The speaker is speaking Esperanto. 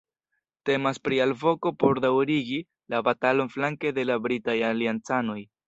Temas pri alvoko por daŭrigi la batalon flanke de la britaj aliancanoj.